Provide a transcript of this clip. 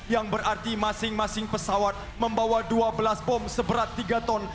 yang berarti masing masing pesawat membawa dua belas bom seberat tiga ton